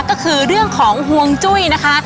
ก็คือเรื่องของห่วงจุ้ยนะคะ